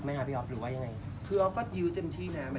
ไม่อาจจะออกหรือว่ายังไง